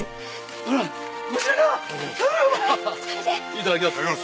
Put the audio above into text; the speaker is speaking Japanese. いただきます。